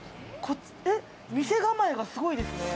えっ店構えがすごいですね